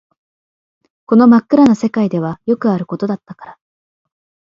この真っ暗な世界ではよくあることだったから